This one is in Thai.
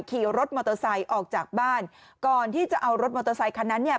คีย์รถมอเตอร์ไซต์ออกจากบ้านก่อนที่จะเอารถมอเตอร์ไซต์คนนั้น